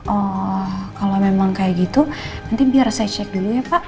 oh kalau memang kayak gitu nanti biar saya cek dulu ya pak